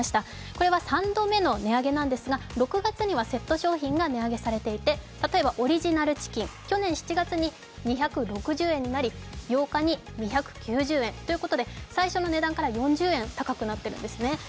これは３度目の値上げなんですが、６月にはセット商品が値上げされていて、例えばオリジナルチキン、去年７月に２６０円になり、８日に２９０円ということで最初の値段から４０円高くなっているんですね。